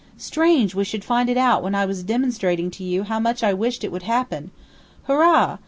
Strange we should find it out when I was demonstrating to you how much I wished it would happen. Hurrah!